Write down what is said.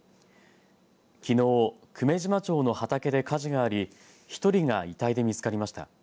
きのう久米島町の畑で火事があり１人が遺体で見つかりました。